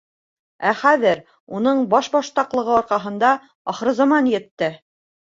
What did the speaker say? Ә хәҙер уның башбаштаҡлығы арҡаһында ахрызаман етте!